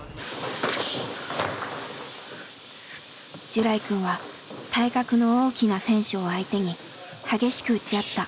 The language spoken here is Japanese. ジュライくんは体格の大きな選手を相手に激しく打ち合った。